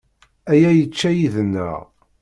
Aya yečča yid-neɣ.